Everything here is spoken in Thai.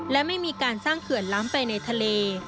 และไม่มีการสร้างเขื่อนล้ำไปในทะเล